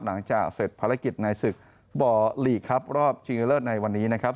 หลังจากเสร็จภารกิจในศึกบ่อลีกครับรอบชิงเลิศในวันนี้นะครับ